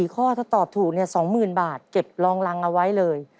ข้อถ้าตอบถูก๒๐๐๐บาทเก็บรองรังเอาไว้เลย